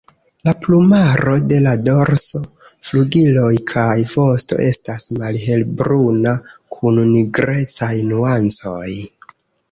La plumaro de la dorso, flugiloj kaj vosto estas malhelbruna kun nigrecaj nuancoj.